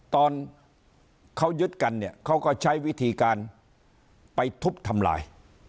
ตอนเขายึดกันเนี่ยเขาก็ใช้วิธีการไปทุบทำลาย